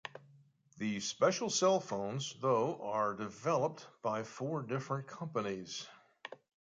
These special cellphones, though, are developed by four different companies.